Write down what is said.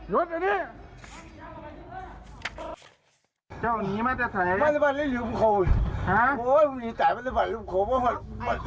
เรียบร้อยแล้ว